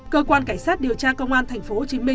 cơ quan cảnh sát điều tra công an tp hcm